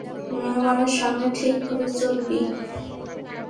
মেহমানের সামনে ঠিক করে চলবি।